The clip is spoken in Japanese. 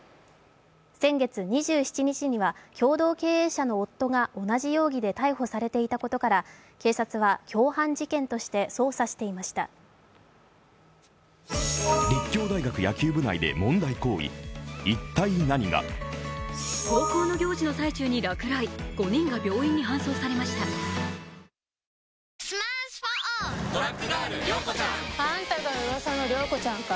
先月２７日には共同経営者の夫が同じ容疑で逮捕されていたことから警察は共犯事件として捜査していましたカルビーのパリッ！